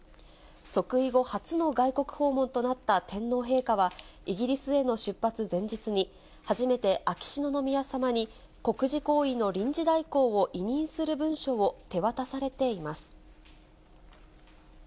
即位後初の外国訪問となった天皇陛下は、イギリスでの出発前日に、初めて秋篠宮さまに、国事行為の臨時代行を委任する文書を手渡されています。